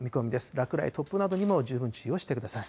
落雷、突風などにも十分注意をしてください。